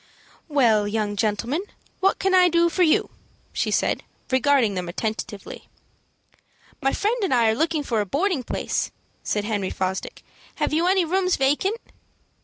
"Well, young gentleman, what can I do for you?" she said, regarding them attentively. "My friend and I are looking for a boarding place," said Henry Fosdick. "Have you any rooms vacant?"